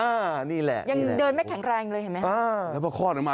นะนี่แหละยังเดินไม่แข็งแรง